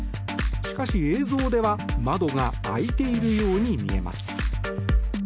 しかし映像では窓が開いているように見えます。